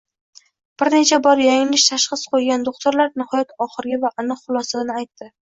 Bir necha bor yanglish tashxis qoʻygan doʻxtirlar nihoyat oxirgi va aniq xulosani aytdi